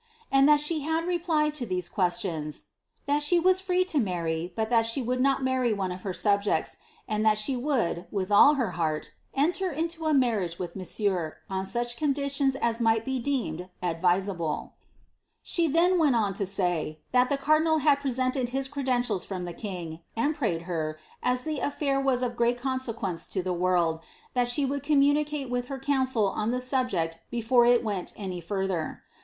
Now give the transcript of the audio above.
and that the had replied to these questions, ^ that she was free to marry, but that ibe would not marry one of her subjects, and that she would, with all her heart, enter into a marriaee with monsieur, on such conditions as might be deemed advisable.' "^ She then went on to say, that the car diral had presented his credentials from the king, and prayed her, as the a&ir was of great consequence to the world, that she would communi cate with her council on the subject before it went any further.